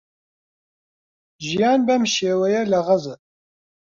ژیان بەم شێوەیەیە لە غەزە.